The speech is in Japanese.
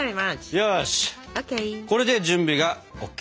よしこれで準備がＯＫ。